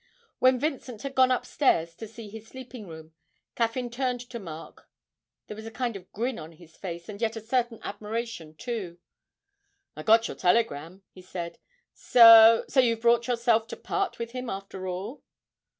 When Vincent had gone upstairs to see his sleeping room, Caffyn turned to Mark: there was a kind of grin on his face, and yet a certain admiration too. 'I got your telegram,' he said. 'So so you've brought yourself to part with him after all?'